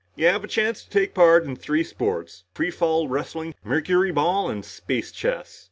"You have a chance to take part in three sports. Free fall wrestling, mercuryball and space chess."